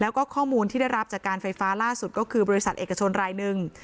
แล้วก็ข้อมูลที่ได้รับจากการไฟฟ้าล่าสุดก็คือบริษัทเอกชนรายหนึ่ง